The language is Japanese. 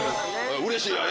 うれしいやん。